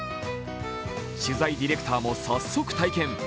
取材ディレクターも早速体験。